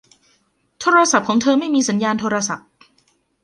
โทรศัพท์ของเธอไม่มีสัญญาณโทรศัพท์